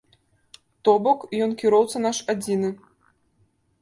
То бок, ён кіроўца наш адзіны.